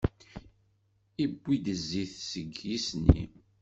Iwwi zzit deg yisni.